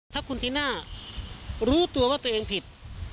ถ้าคุณติน่ารู้ตัวว่าตัวเองผิด